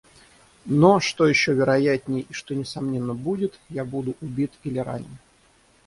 Но, что еще вероятнее и что несомненно будет, — я буду убит или ранен.